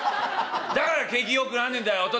だから景気よくなんねえんだよお父